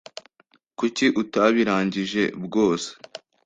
kuki utabi rangije bwose